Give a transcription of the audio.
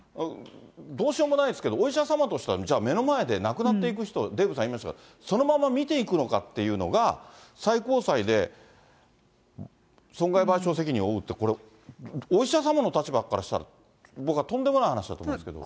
どうしようもないですけど、お医者様としては、じゃあ、目の前で亡くなっていく人、デーブさん言いましたけど、そのまま見ていくのかっていうのが、最高裁で損害賠償責任を負うって、これ、お医者様の立場からしたら、僕はとんでもない話だと思うんですけど。